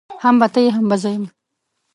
هم به ته يې هم به زه يم.